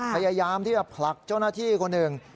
พยายามที่จะผลักเจ้าหน้าที่คนหนึ่ง